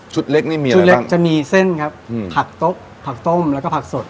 เล็กนี่มีชุดเล็กจะมีเส้นครับผักตบผักต้มแล้วก็ผักสด